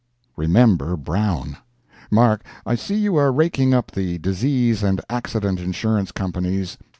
Remember Brown! Mark, I see you are raking up the Disease and Accident Insurance Companies.